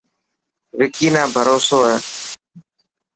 وڪي نا بهروسو هي.